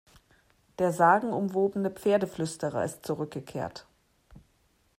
Der sagenumwobene Pferdeflüsterer ist zurückgekehrt!